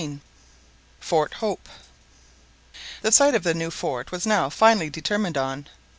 FORT HOPE. The site of the new fort was now finally determined on.